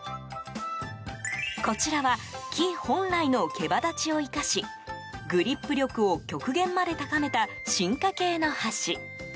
こちらは木本来の毛羽立ちを生かしグリップ力を極限まで高めた進化系の箸。